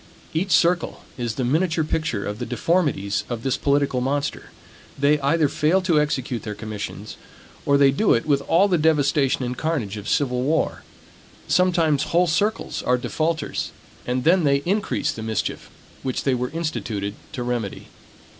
Each circle is the miniature picture of the deformities of this political monster. They either fail to execute their commissions, or they do it with all the devastation and carnage of civil war. Sometimes whole circles are defaulters; and then they increase the mischief which they were instituted to remedy.